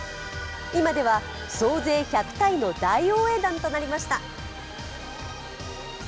今では総勢１００体の大応援団となりました。